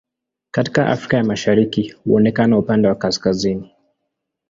Katika Afrika ya Mashariki huonekana upande wa kaskazini.